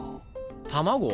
卵？